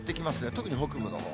特に北部のほう。